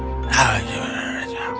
tidak tidak tidak tidak